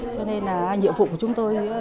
cho nên là nhiệm vụ của chúng tôi